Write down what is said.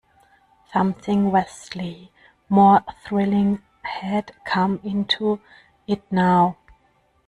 Something vastly more thrilling had come into it now.